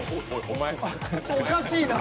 おかしいな。